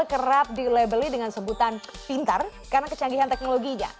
kerap dilebeli dengan sebutan pintar karena kecanggihan teknologinya